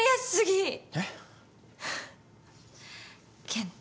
健太